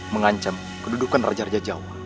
mengancam kedudukan raja raja jawa